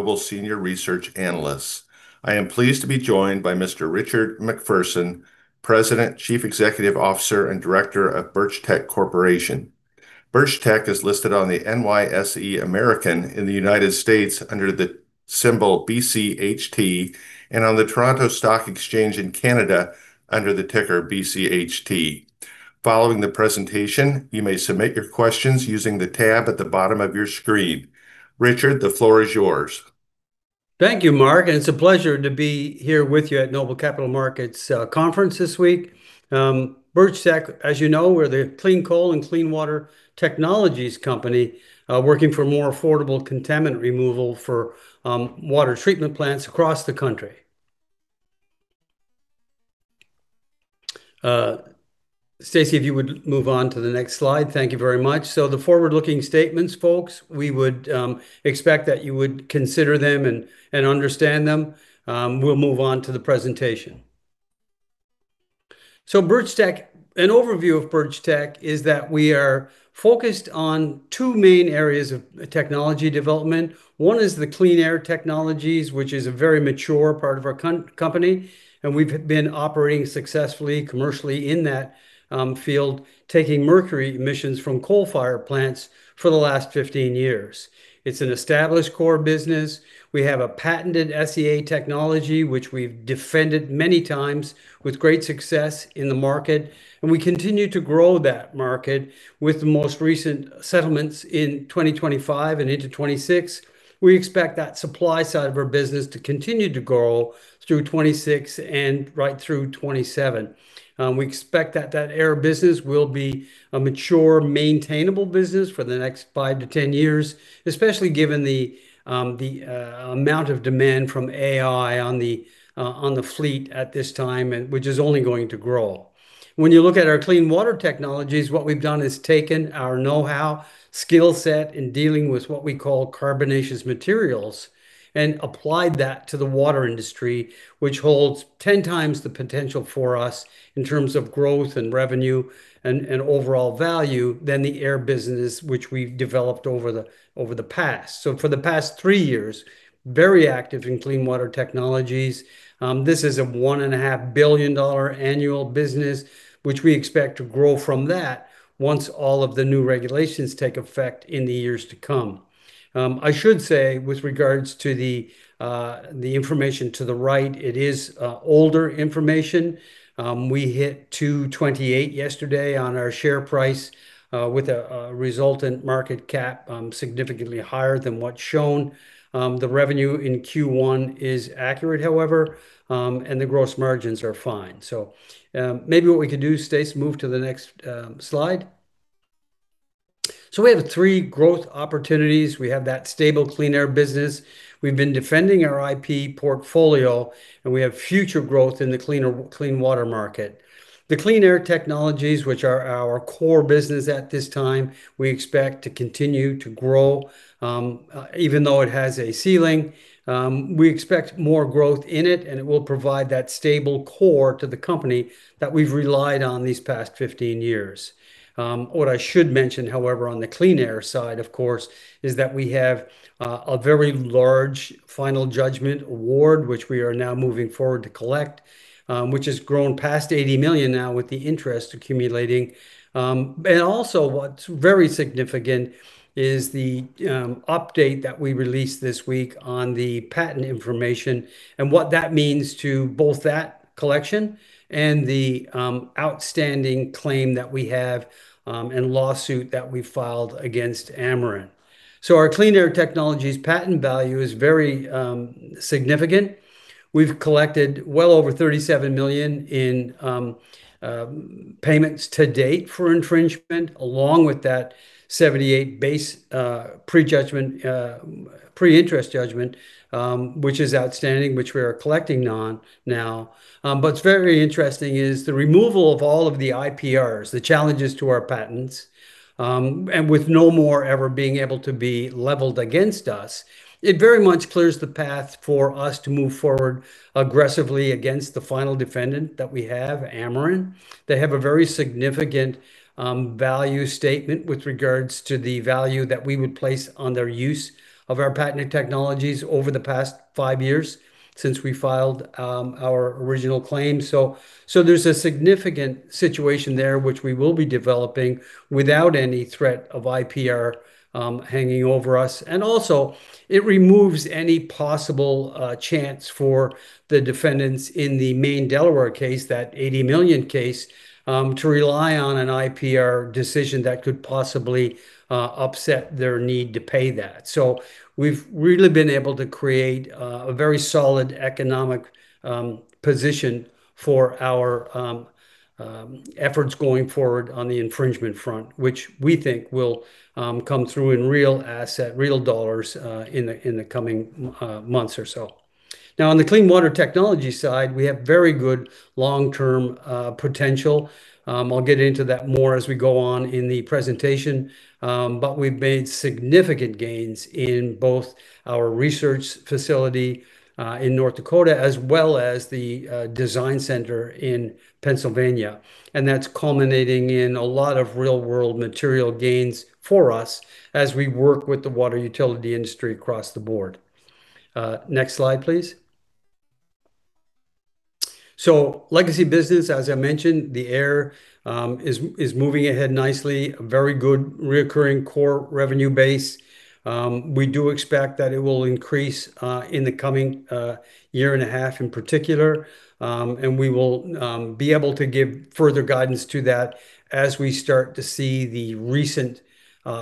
Noble senior research analysts. I am pleased to be joined by Mr. Richard MacPherson, President, Chief Executive Officer, and Director of Birchtech Corp. Birchtech is listed on the NYSE American in the United States under the symbol BCHT, and on the Toronto Stock Exchange in Canada under the ticker BCHT. Following the presentation, you may submit your questions using the tab at the bottom of your screen. Richard, the floor is yours. Thank you, Mark, and it's a pleasure to be here with you at Noble Capital Markets conference this week. Birchtech, as you know, we're the clean coal and clean water technologies company working for more affordable contaminant removal for water treatment plants across the country. Stacy, if you would move on to the next slide. Thank you very much. The forward-looking statements, folks, we would expect that you would consider them and understand them. We'll move on to the presentation. An overview of Birchtech is that we are focused on two main areas of technology development. One is the clean air technologies, which is a very mature part of our company, and we've been operating successfully commercially in that field, taking mercury emissions from coal-fired plants for the last 15 years. It's an established core business. We have a patented SEA technology, which we've defended many times with great success in the market, and we continue to grow that market with the most recent settlements in 2025 and into 2026. We expect that supply side of our business to continue to grow through 2026 and right through 2027. We expect that that air business will be a mature, maintainable business for the next 5-10 years, especially given the amount of demand from AI on the fleet at this time, which is only going to grow. When you look at our clean water technologies, what we've done is taken our know-how, skill set in dealing with what we call carbonaceous materials, and applied that to the water industry, which holds 10 times the potential for us in terms of growth and revenue and overall value than the air business, which we've developed over the past. For the past three years, very active in clean water technologies. This is a $1.5 billion annual business, which we expect to grow from that once all of the new regulations take effect in the years to come. I should say, with regards to the information to the right, it is older information. We hit 228 yesterday on our share price, with a resultant market cap significantly higher than what's shown. The revenue in Q1 is accurate, however, and the gross margins are fine. Maybe what we could do, Stace, move to the next slide. We have three growth opportunities. We have that stable clean air business. We've been defending our IP portfolio, and we have future growth in the clean water market. The clean air technologies, which are our core business at this time, we expect to continue to grow, even though it has a ceiling. We expect more growth in it, and it will provide that stable core to the company that we've relied on these past 15 years. What I should mention, however, on the clean air side, of course, is that we have a very large final judgment award, which we are now moving forward to collect, which has grown past $80 million now with the interest accumulating. Also what's very significant is the update that we released this week on the patent information and what that means to both that collection and the outstanding claim that we have and lawsuit that we filed against Ameren. Our clean air technologies patent value is very significant. We've collected well over $37 million in payments to date for infringement, along with that $78 base pre-interest judgment, which is outstanding, which we are collecting on now. What's very interesting is the removal of all of the IPRs, the challenges to our patents, and with no more ever being able to be leveled against us, it very much clears the path for us to move forward aggressively against the final defendant that we have, Ameren. They have a very significant value statement with regards to the value that we would place on their use of our patented technologies over the past five years since we filed our original claim. There's a significant situation there which we will be developing without any threat of IPR hanging over us. Also it removes any possible chance for the defendants in the main Delaware case, that $80 million case, to rely on an IPR decision that could possibly upset their need to pay that. We've really been able to create a very solid economic position for our efforts going forward on the infringement front, which we think will come through in real asset, real dollars, in the coming months or so. On the clean water technology side, we have very good long-term potential. I'll get into that more as we go on in the presentation. We've made significant gains in both our research facility in North Dakota as well as the design center in Pennsylvania, and that's culminating in a lot of real-world material gains for us as we work with the water utility industry across the board. Next slide, please. Legacy business, as I mentioned, the air is moving ahead nicely. A very good recurring core revenue base. We do expect that it will increase in the coming year and a half in particular, and we will be able to give further guidance to that as we start to see the recent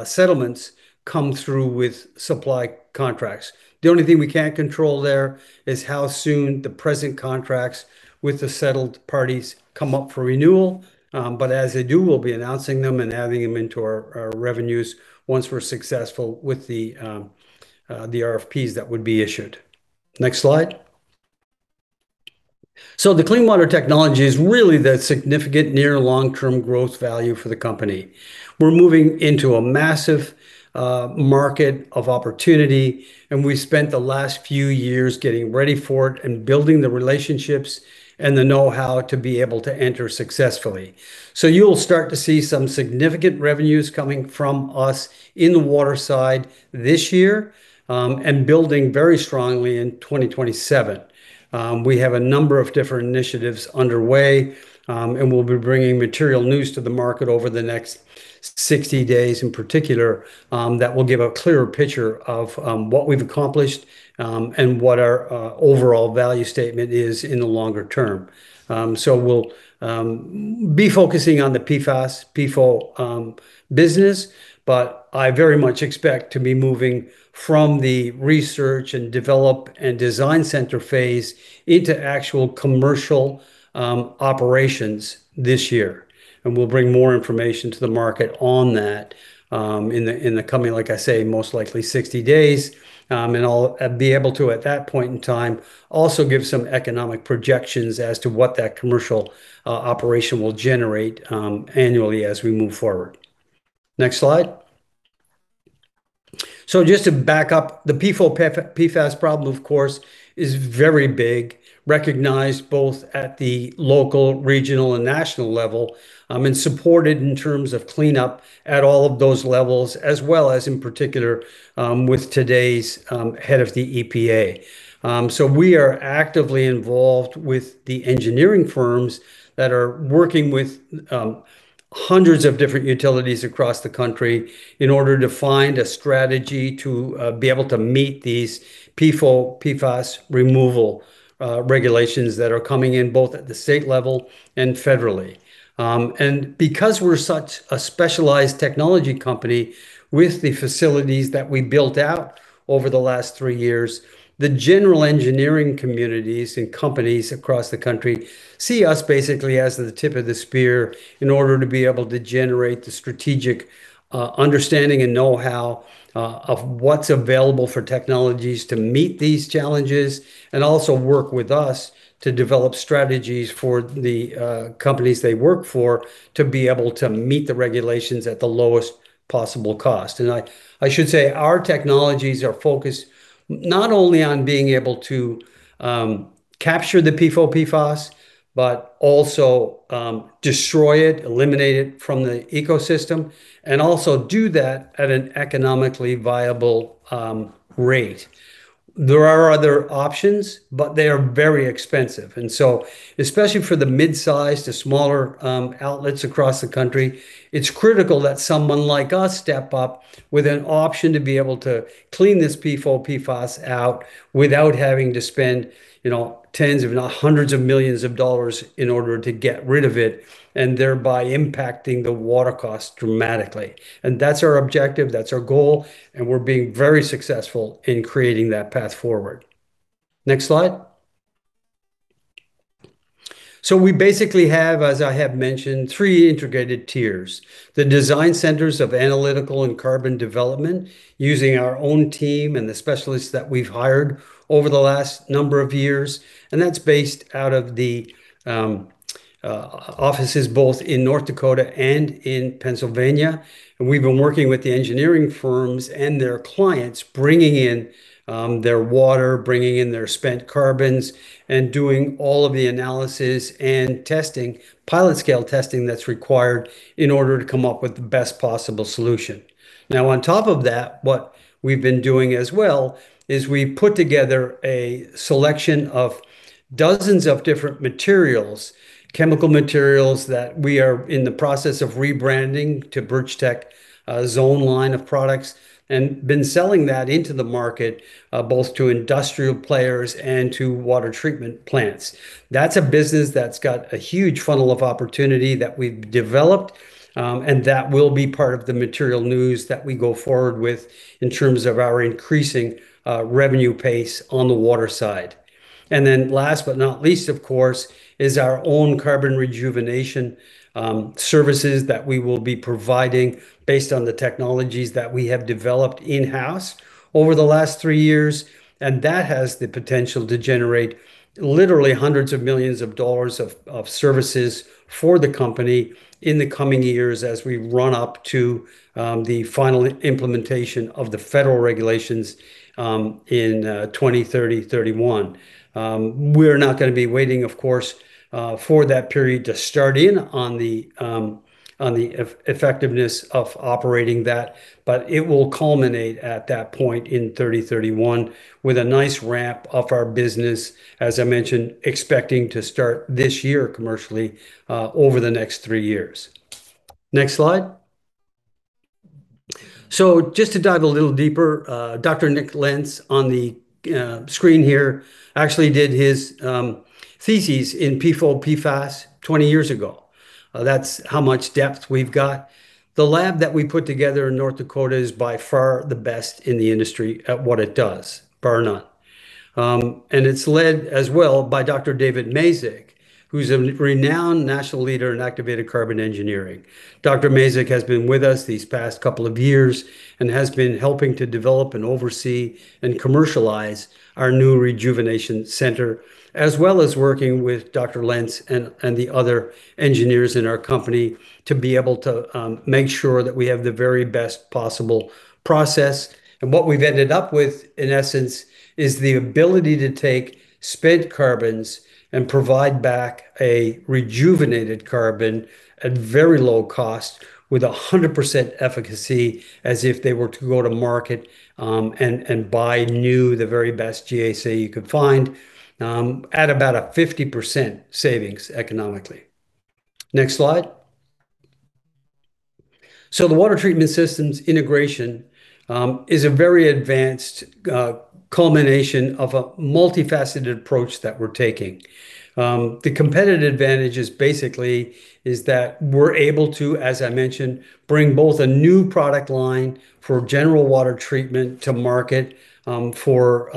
settlements come through with supply contracts. The only thing we can't control there is how soon the present contracts with the settled parties come up for renewal. As they do, we'll be announcing them and adding them into our revenues once we're successful with the RFPs that would be issued. Next slide. The clean water technology is really the significant near long-term growth value for the company. We're moving into a massive market of opportunity, and we spent the last few years getting ready for it and building the relationships and the know-how to be able to enter successfully. You'll start to see some significant revenues coming from us in the water side this year, and building very strongly in 2027. We have a number of different initiatives underway, and we'll be bringing material news to the market over the next 60 days in particular, that will give a clearer picture of what we've accomplished, and what our overall value statement is in the longer term. We'll be focusing on the PFAS/PFOA business, but I very much expect to be moving from the research and develop and design center phase into actual commercial operations this year. And we'll bring more information to the market on that in the coming, like I say, most likely 60 days. And I'll be able to at that point in time also give some economic projections as to what that commercial operation will generate annually as we move forward. Next slide. Just to back up, the PFOA/PFAS problem of course is very big, recognized both at the local, regional, and national level, and supported in terms of cleanup at all of those levels as well as in particular, with today's head of the EPA. We are actively involved with the engineering firms that are working with hundreds of different utilities across the country in order to find a strategy to be able to meet these PFOA/PFAS removal regulations that are coming in both at the state level and federally. Because we're such a specialized technology company with the facilities that we built out over the last three years, the general engineering communities and companies across the country see us basically as the tip of the spear in order to be able to generate the strategic understanding and know-how of what's available for technologies to meet these challenges. Also work with us to develop strategies for the companies they work for to be able to meet the regulations at the lowest possible cost. I should say our technologies are focused not only on being able to capture the PFOA/PFAS, but also destroy it, eliminate it from the ecosystem, and also do that at an economically viable rate. There are other options, but they are very expensive. Especially for the midsize to smaller outlets across the country, it's critical that someone like us step up with an option to be able to clean this PFOA/PFAS out without having to spend tens if not hundreds of millions of dollars in order to get rid of it, and thereby impacting the water cost dramatically. That's our objective, that's our goal, and we're being very successful in creating that path forward. Next slide. We basically have, as I have mentioned, three integrated tiers. The design centers of analytical and carbon development, using our own team and the specialists that we've hired over the last number of years, and that's based out of the offices both in North Dakota and in Pennsylvania. We've been working with the engineering firms and their clients, bringing in their water, bringing in their spent carbons, and doing all of the analysis and pilot scale testing that's required in order to come up with the best possible solution. On top of that, what we've been doing as well is we've put together a selection of dozens of different materials, chemical materials that we are in the process of rebranding to Birchtech zone line of products, and been selling that into the market, both to industrial players and to water treatment plants. That's a business that's got a huge funnel of opportunity that we've developed. That will be part of the material news that we go forward with in terms of our increasing revenue pace on the water side. Last but not least of course, is our own carbon rejuvenation services that we will be providing based on the technologies that we have developed in-house over the last three years. That has the potential to generate literally hundreds of millions of dollars of services for the company in the coming years as we run up to the final implementation of the federal regulations in 2030, 2031. We're not going to be waiting of course, for that period to start in on the effectiveness of operating that, but it will culminate at that point in 2030, 2031, with a nice ramp of our business, as I mentioned, expecting to start this year commercially over the next three years. Next slide. Just to dive a little deeper, Dr. Nick Lentz on the screen here actually did his thesis in PFOA/PFAS 20 years ago. That's how much depth we've got. The lab that we put together in North Dakota is by far the best in the industry at what it does, bar none. And it's led as well by Dr. David Mazyck, who's a renowned national leader in activated carbon engineering. Dr. Mazyck has been with us these past couple of years and has been helping to develop and oversee and commercialize our new rejuvenation center, as well as working with Dr. Lentz and the other engineers in our company to be able to make sure that we have the very best possible process. What we've ended up with, in essence, is the ability to take spent carbons and provide back a rejuvenated carbon at very low cost with 100% efficacy, as if they were to go to market and buy new, the very best GAC you could find, at about a 50% savings economically. Next slide. The water treatment systems integration is a very advanced culmination of a multifaceted approach that we're taking. The competitive advantage is basically that we're able to, as I mentioned, bring both a new product line for general water treatment to market for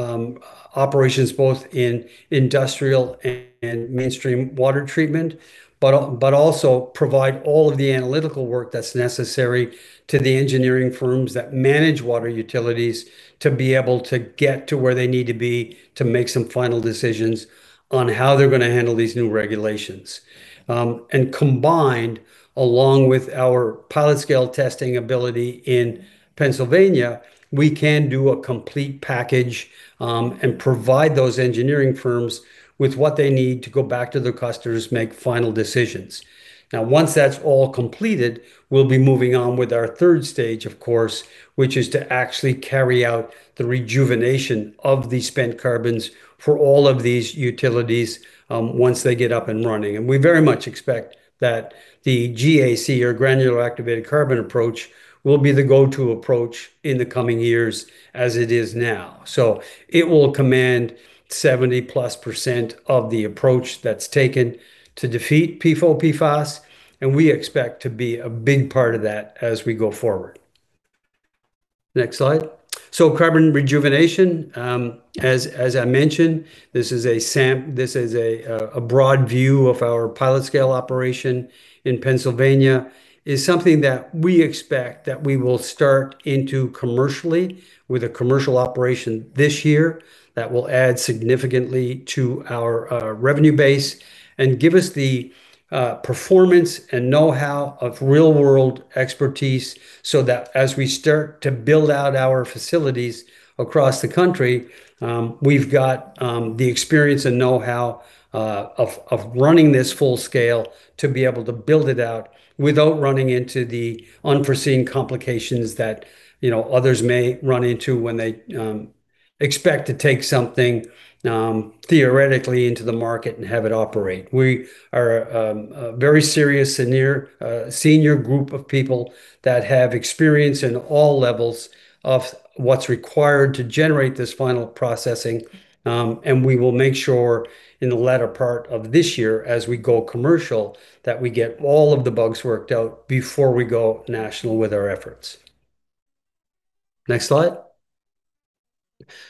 operations, both in industrial and mainstream water treatment, but also provide all of the analytical work that's necessary to the engineering firms that manage water utilities to be able to get to where they need to be to make some final decisions on how they're going to handle these new regulations. Combined, along with our pilot-scale testing ability in Pennsylvania, we can do a complete package, and provide those engineering firms with what they need to go back to their customers, make final decisions. Once that's all completed, we'll be moving on with our third stage, of course, which is to actually carry out the rejuvenation of the spent carbons for all of these utilities once they get up and running. We very much expect that the GAC or granular activated carbon approach will be the go-to approach in the coming years as it is now. It will command 70%+ of the approach that's taken to defeat PFOA/PFAS, and we expect to be a big part of that as we go forward. Next slide. Carbon rejuvenation, as I mentioned, this is a broad view of our pilot scale operation in Pennsylvania, is something that we expect that we will start into commercially with a commercial operation this year that will add significantly to our revenue base and give us the performance and knowhow of real-world expertise, so that as we start to build out our facilities across the country, we've got the experience and knowhow of running this full scale to be able to build it out without running into the unforeseen complications that others may run into when they expect to take something theoretically into the market and have it operate. We are a very serious and senior group of people that have experience in all levels of what's required to generate this final processing. We will make sure in the latter part of this year as we go commercial, that we get all of the bugs worked out before we go national with our efforts. Next slide.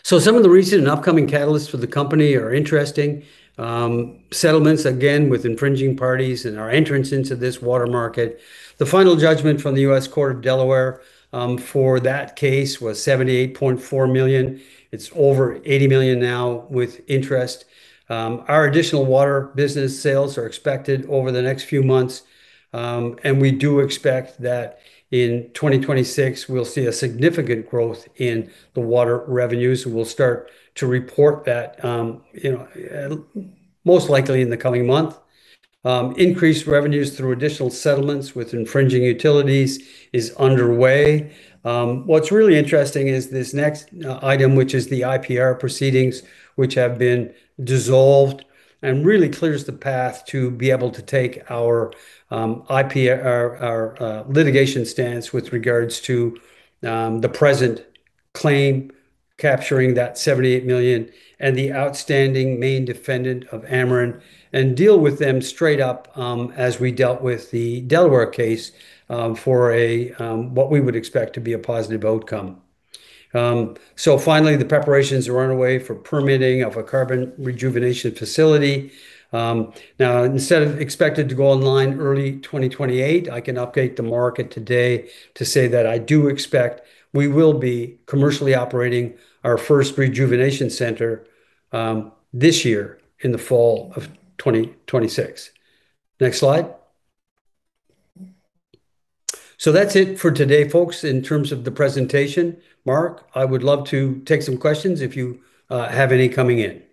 Some of the recent and upcoming catalysts for the company are interesting. Settlements, again, with infringing parties and our entrance into this water market. The final judgment from the U.S. Court of Delaware for that case was $78.4 million. It is over $80 million now with interest. Our additional water business sales are expected over the next few months. We do expect that in 2026, we will see a significant growth in the water revenues. We will start to report that most likely in the coming month. Increased revenues through additional settlements with infringing utilities is underway. What's really interesting is this next item, which is the IPR proceedings, which have been dissolved and really clears the path to be able to take our litigation stance with regards to the present claim, capturing that $78 million and the outstanding main defendant of Ameren, and deal with them straight up as we dealt with the Delaware case for what we would expect to be a positive outcome. Finally, the preparations are underway for permitting of a carbon rejuvenation facility. Now, instead of expected to go online early 2028, I can update the market today to say that I do expect we will be commercially operating our first rejuvenation center this year in the fall of 2026. Next slide. That's it for today, folks, in terms of the presentation. Mark, I would love to take some questions if you have any coming in.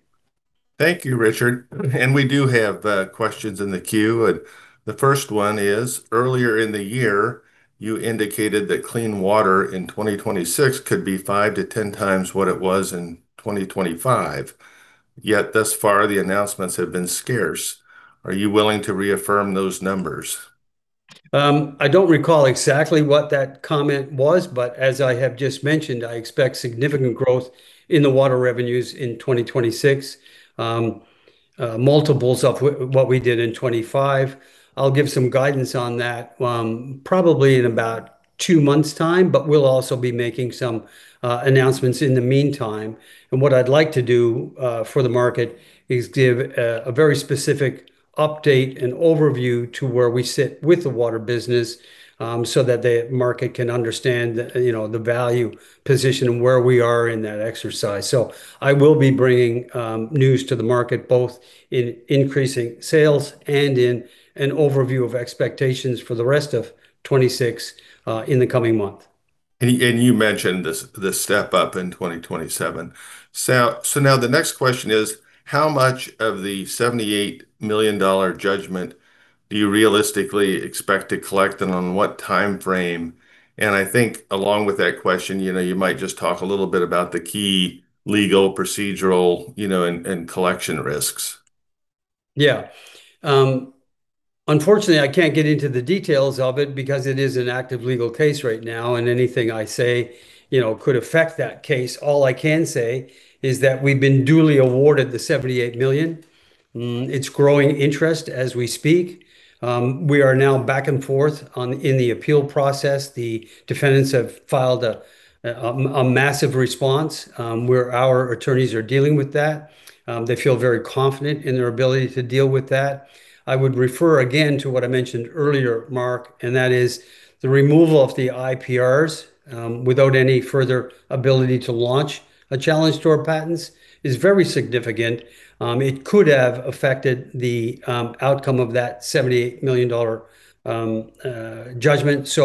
Thank you, Richard. We do have questions in the queue. The first one is, earlier in the year, you indicated that clean water in 2026 could be 5-10 times what it was in 2025, yet thus far, the announcements have been scarce. Are you willing to reaffirm those numbers? I don't recall exactly what that comment was, but as I have just mentioned, I expect significant growth in the water revenues in 2026. Multiples of what we did in 2025. I'll give some guidance on that probably in about two months' time, but we'll also be making some announcements in the meantime. What I'd like to do for the market is give a very specific update and overview to where we sit with the water business so that the market can understand the value position and where we are in that exercise. I will be bringing news to the market, both in increasing sales and in an overview of expectations for the rest of 2026 in the coming month. You mentioned the step up in 2027. Now the next question is how much of the $78 million judgment do you realistically expect to collect and on what time frame? I think along with that question, you might just talk a little bit about the key legal, procedural, and collection risks. Yeah. Unfortunately, I can't get into the details of it because it is an active legal case right now, and anything I say could affect that case. All I can say is that we've been duly awarded the $78 million. It's growing interest as we speak. We are now back and forth in the appeal process. The defendants have filed a massive response. Our attorneys are dealing with that. They feel very confident in their ability to deal with that. I would refer again to what I mentioned earlier, Mark, and that is the removal of the IPRs without any further ability to launch a challenge to our patents is very significant. It could have affected the outcome of that $78 million judgment.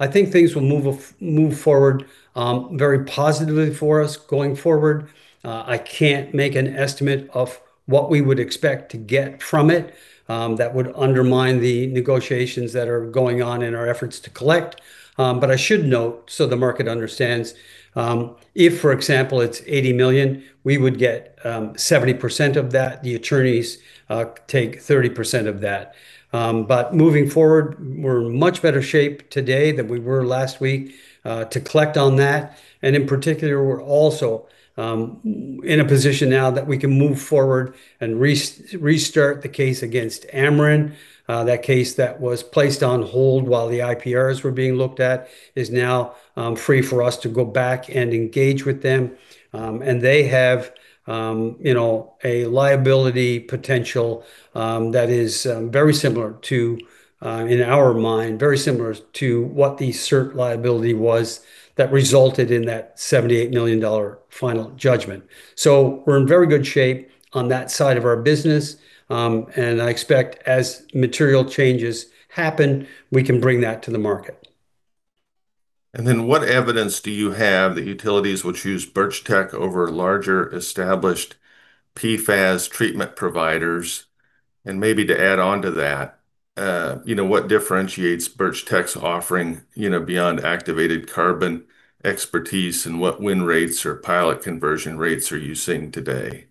I think things will move forward very positively for us going forward. I can't make an estimate of what we would expect to get from it. That would undermine the negotiations that are going on in our efforts to collect. I should note, so the market understands, if, for example, it's $80 million, we would get 70% of that. The attorneys take 30% of that. Moving forward, we're in much better shape today than we were last week to collect on that. In particular, we're also in a position now that we can move forward and restart the case against Ameren. That case that was placed on hold while the IPRs were being looked at is now free for us to go back and engage with them. They have a liability potential that is very similar to, in our mind, very similar to what the CERT liability was that resulted in that $78 million final judgment. We're in very good shape on that side of our business. I expect as material changes happen, we can bring that to the market. What evidence do you have that utilities would choose Birchtech over larger established PFAS treatment providers? Maybe to add on to that, what differentiates Birchtech's offering beyond activated carbon expertise, and what win rates or pilot conversion rates are you seeing today?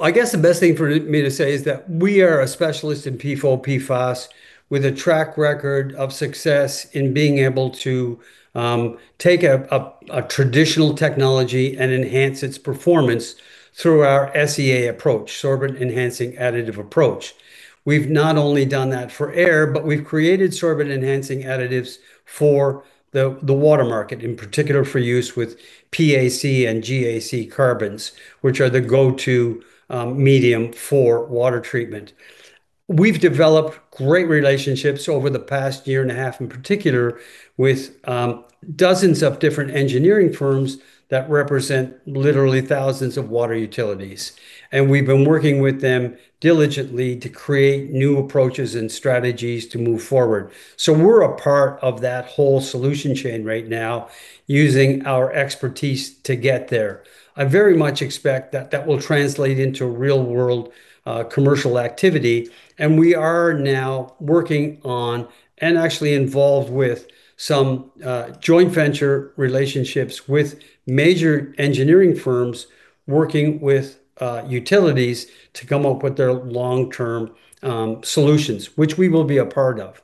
I guess the best thing for me to say is that we are a specialist in PFOA/PFAS with a track record of success in being able to take a traditional technology and enhance its performance through our SEA approach, Sorbent Enhancing Additive approach. We've not only done that for air, but we've created sorbent enhancing additives for the water market, in particular for use with PAC and GAC carbons, which are the go-to medium for water treatment. We've developed great relationships over the past year and a half, in particular with dozens of different engineering firms that represent literally thousands of water utilities. We've been working with them diligently to create new approaches and strategies to move forward. We're a part of that whole solution chain right now using our expertise to get there. I very much expect that that will translate into real-world commercial activity, and we are now working on, and actually involved with, some joint venture relationships with major engineering firms working with utilities to come up with their long-term solutions, which we will be a part of.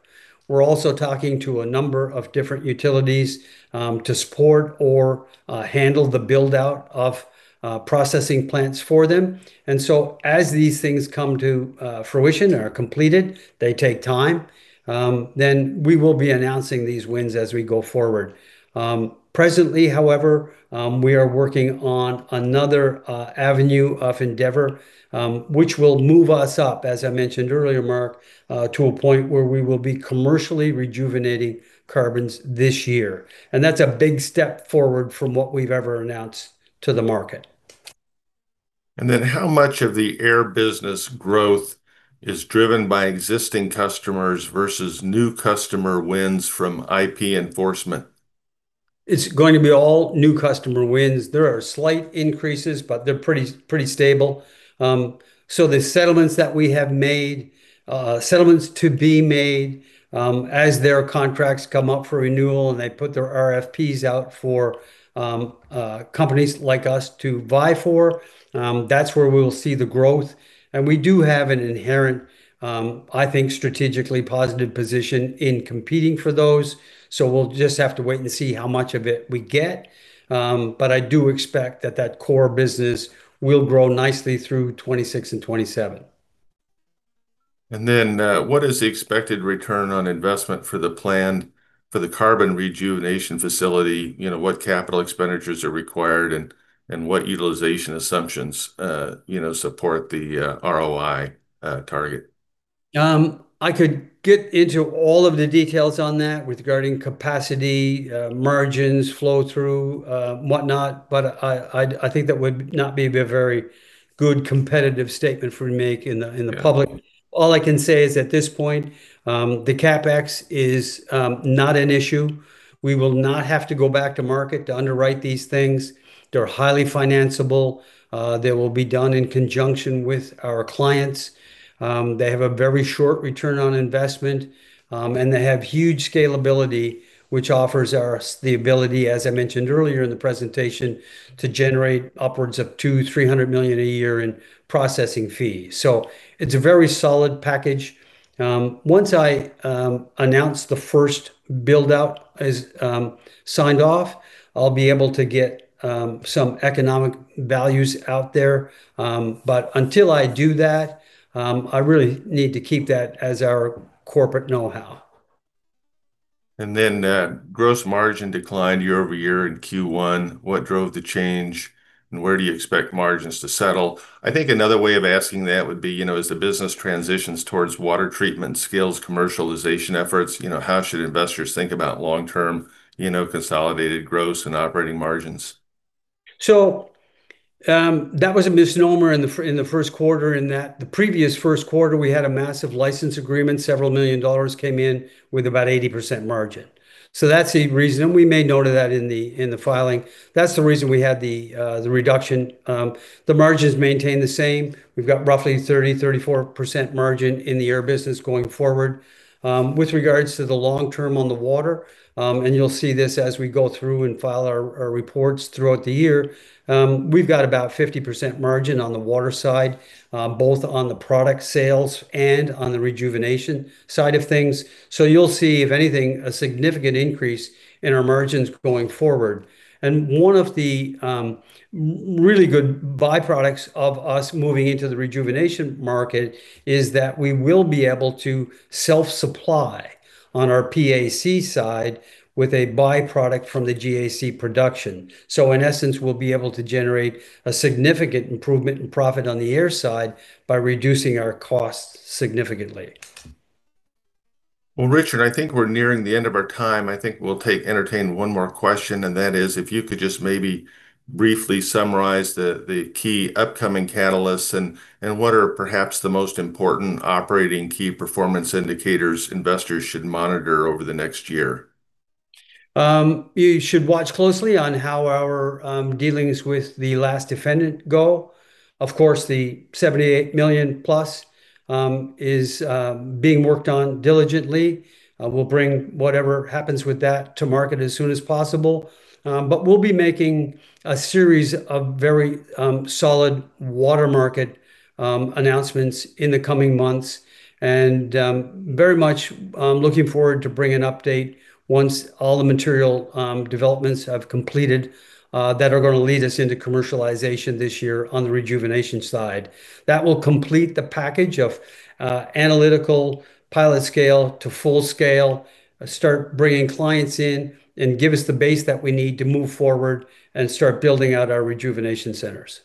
We're also talking to a number of different utilities to support or handle the build-out of processing plants for them. As these things come to fruition, are completed, they take time, then we will be announcing these wins as we go forward. Presently, however, we are working on another avenue of endeavor which will move us up, as I mentioned earlier, Mark, to a point where we will be commercially rejuvenating carbons this year. That's a big step forward from what we've ever announced to the market. How much of the air business growth is driven by existing customers versus new customer wins from IP enforcement? It's going to be all new customer wins. There are slight increases, but they're pretty stable. The settlements that we have made, settlements to be made as their contracts come up for renewal and they put their RFPs out for companies like us to vie for, that's where we will see the growth. We do have an inherent, I think strategically positive position in competing for those. We'll just have to wait and see how much of it we get. I do expect that that core business will grow nicely through 2026 and 2027. What is the expected return on investment for the plan for the carbon rejuvenation facility? What capital expenditures are required and what utilization assumptions support the ROI target? I could get into all of the details on that regarding capacity, margins, flow-through, whatnot, but I think that would not be a very good competitive statement for me to make in the public. All I can say is at this point, the CapEx is not an issue. We will not have to go back to market to underwrite these things. They're highly financeable. They will be done in conjunction with our clients. They have a very short return on investment. They have huge scalability, which offers us the ability, as I mentioned earlier in the presentation, to generate upwards of $200 million, $300 million a year in processing fees. It's a very solid package. Once I announce the first build-out is signed off, I'll be able to get some economic values out there. Until I do that, I really need to keep that as our corporate know-how. Gross margin declined year-over-year in Q1. What drove the change and where do you expect margins to settle? I think another way of asking that would be as the business transitions towards water treatment scales commercialization efforts, how should investors think about long-term consolidated gross and operating margins? That was a misnomer in the first quarter, in that the previous first quarter we had a massive license agreement. Several million dollars came in with about 80% margin. That's the reason we made note of that in the filing. That's the reason we had the reduction. The margins maintain the same. We've got roughly 30%, 34% margin in the air business going forward. With regards to the long term on the water, and you'll see this as we go through and file our reports throughout the year, we've got about 50% margin on the water side, both on the product sales and on the rejuvenation side of things. You'll see, if anything, a significant increase in our margins going forward. One of the really good byproducts of us moving into the rejuvenation market is that we will be able to self-supply on our PAC side with a byproduct from the GAC production. In essence, we'll be able to generate a significant improvement in profit on the air side by reducing our costs significantly. Well, Richard, I think we're nearing the end of our time. I think we'll entertain one more question, and that is if you could just maybe briefly summarize the key upcoming catalysts and what are perhaps the most important operating key performance indicators investors should monitor over the next year. You should watch closely on how our dealings with the last defendant go. Of course, the $78 million+ is being worked on diligently. We'll bring whatever happens with that to market as soon as possible. We'll be making a series of very solid water market announcements in the coming months and very much looking forward to bring an update once all the material developments have completed that are going to lead us into commercialization this year on the rejuvenation side. That will complete the package of analytical pilot scale to full scale, start bringing clients in, and give us the base that we need to move forward and start building out our rejuvenation centers.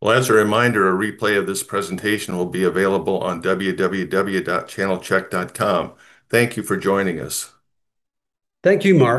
Well, as a reminder, a replay of this presentation will be available on www.channelchek. Thank you for joining us. Thank you, Mark.